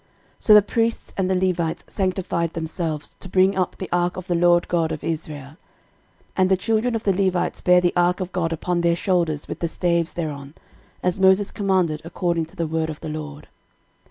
13:015:014 So the priests and the Levites sanctified themselves to bring up the ark of the LORD God of Israel. 13:015:015 And the children of the Levites bare the ark of God upon their shoulders with the staves thereon, as Moses commanded according to the word of the LORD.